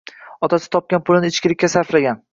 Otasi topgan pulini ichkilikka sarflagan.